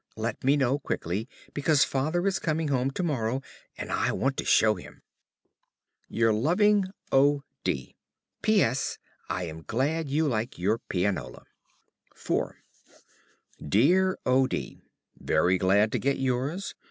Let me know quickly, because Father is coming home to morrow and I want to show him. Your loving, O. D. P. S. I am glad you like your pianola IV Dear O. D., Very glad to get yours.